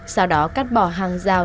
sau đó cắt bỏ hàng rào